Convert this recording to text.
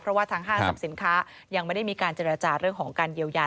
เพราะว่าทางห้างสรรพสินค้ายังไม่ได้มีการเจรจาเรื่องของการเยียวยา